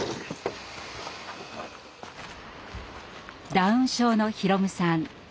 ダウン症の宏夢さん。